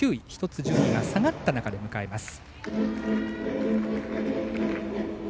１つ順位が下がった中で迎えます。